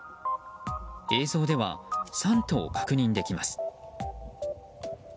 映像では３頭確認できます。